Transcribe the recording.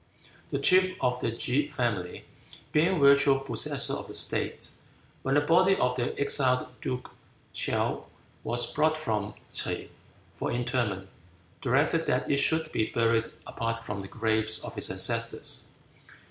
The chief of the Ke family, being virtual possessor of the state, when the body of the exiled Duke Chaou was brought from T'se for interment, directed that it should be buried apart from the graves of his ancestors.